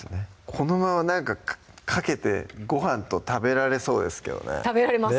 このままなんかかけてご飯と食べられそうですけどね食べられます